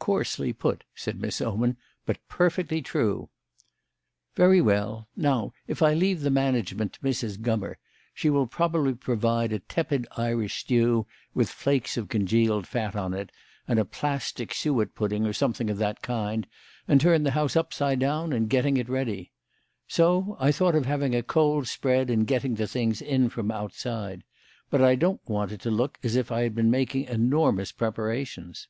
"Coarsely put," said Miss Oman, "but perfectly true." "Very well. Now, if I leave the management to Mrs. Gummer, she will probably provide a tepid Irish stew with flakes of congealed fat on it, and a plastic suet pudding or something of that kind, and turn the house upside down in getting it ready. So I thought of having a cold spread and getting the things in from outside. But I don't want it to look as if I had been making enormous preparations."